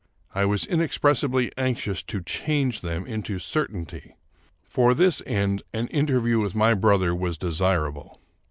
I was inexpressibly anxious to change them into certainty. For this end an interview with my brother was desirable.